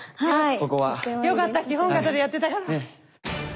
よかった基本形でやってたから。